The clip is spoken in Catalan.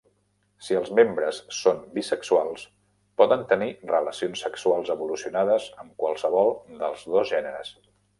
Si els membres són bisexuals, poden tenir relacions sexuals evolucionades amb qualsevol dels dos gèneres.